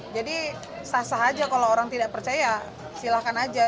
jadi sah sah aja kalau orang tidak percaya silahkan aja